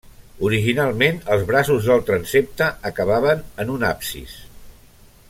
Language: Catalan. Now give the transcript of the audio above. Originalment els braços del transsepte acabaven en un absis.